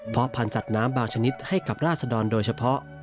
เพราะพันธุ์สัตว์น้ำบางชนิดให้กับราศดรโดยเฉพาะ